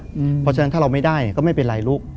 เพราะฉะนั้นถ้าเราไม่ได้ก็ไม่เป็นไรลูก